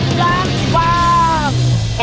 กินล้างบาง